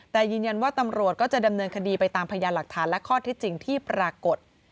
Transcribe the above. แต่ยืนยันว่าตำรวจก็จะดำเนินคดีไปตามพยานหลักฐานและข้อที่จริงที่ปรากฏ